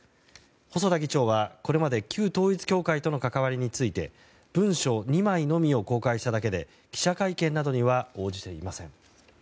細田議長はこれまで旧統一教会との関わりについて文書２枚のみを公開しただけで記者会見などには応じていません。